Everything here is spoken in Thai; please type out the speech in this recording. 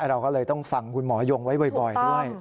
เราก็เลยต้องฟังคุณหมอยงไว้บ่อยด้วย